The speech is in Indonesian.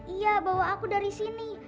iya bawa aku dari sini